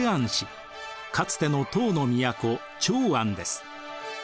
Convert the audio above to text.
かつての唐の都長安です。